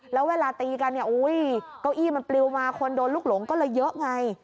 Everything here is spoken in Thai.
แล้วเวลาตีกันเนี่ยอุ้ยเก้าอี้มันปลิวมาคนโดนลูกหลงก็เลยเยอะไง